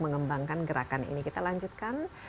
mengembangkan gerakan ini kita lanjutkan